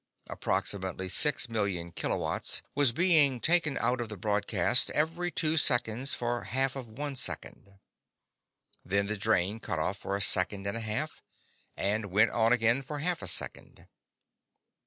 Approximately six million kilowatts was being taken out of the broadcast every two seconds for half of one second. Then the drain cut off for a second and a half, and went on again for half a second.